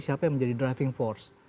siapa yang menjadi driving force